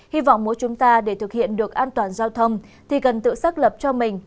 hy vọng mỗi chúng ta để thực hiện được an toàn giao thông thì cần tự xác lập cho mình